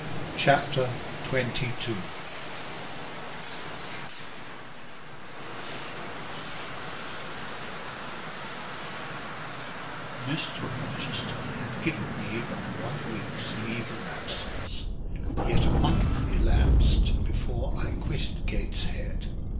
CHAPTER XXII Mr. Rochester had given me but one week's leave of absence: yet a month elapsed before I quitted Gateshead.